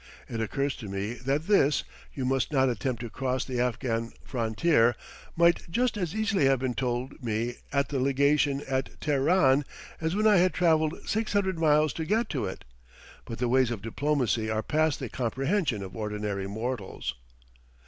It occurs to me that this "you must not attempt to cross the Afghan frontier" might just as easily have been told me at the Legation at Teheran as when I had travelled six hundred miles to get to it; but the ways of diplomacy are past the comprehension of ordinary mortals.